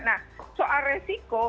nah soal resiko